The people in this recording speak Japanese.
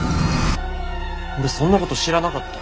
俺そんなこと知らなかった。